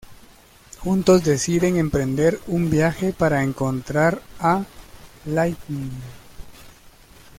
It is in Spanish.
Juntos deciden emprender un viaje para encontrar a Lightning...